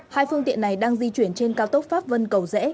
hai phương tiện này đang di chuyển trên cao tốc pháp vân cầu rẽ